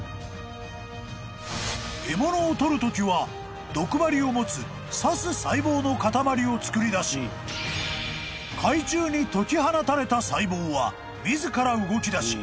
［獲物をとるときは毒針を持つ刺す細胞の塊を作り出し海中に解き放たれた細胞は］